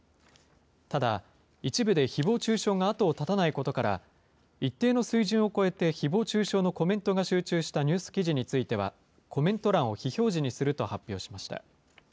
ただ、一部でひぼう中傷が後を絶たないことから、一定の水準を超えて、ひぼう中傷のコメントが集中したニュース記事については、コメント欄を非表示にすると発表しました。